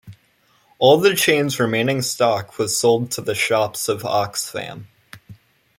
All the chain's remaining stock was sold to the shops of Oxfam.